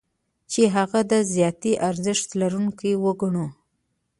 چې هغه د ذاتي ارزښت لرونکی وګڼو.